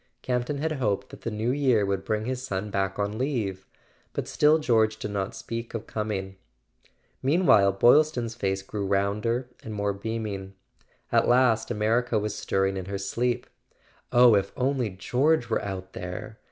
Camp ton had hoped that the New Year would bring his son back on leave; but still George did not speak of com¬ ing. Meanwhile Boylston's face grew rounder and more beaming. At last America was stirring in her sleep. "Oh, if only George were out there!"